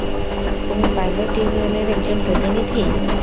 তুমি পাইলট ইউনিয়নের একজন প্রতিনিধি?